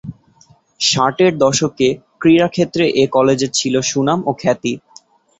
ষাটের দশকে ক্রীড়া ক্ষেত্রে এ কলেজের ছিল সুনাম ও খ্যাতি।